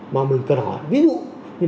mà mình cần hỏi ví dụ